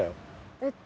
えっと。